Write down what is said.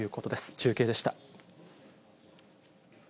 中継でした。